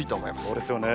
そうですよね。